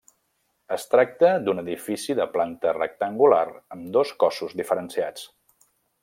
Es tracta d'un edifici de planta rectangular amb dos cossos diferenciats.